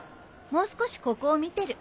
もう少しここを見てる。